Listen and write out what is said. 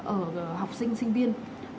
ở học sinh sinh viên